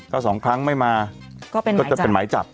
ก็สองครั้งไม่มาก็จะเป็นหมายจับ